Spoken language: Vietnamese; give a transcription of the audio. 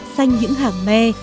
xanh những hàng me